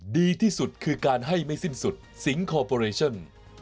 ดีที่สุดคือการให้ไม่สิ้นสุดสิงคอร์ปอเรชั่น